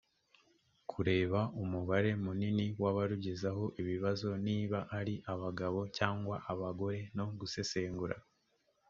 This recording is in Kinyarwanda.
kureba umubare munini w abarugezaho ibibazo niba ari abagabo cyangwa abagore no gusesengura